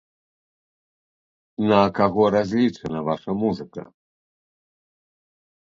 На каго разлічана ваша музыка?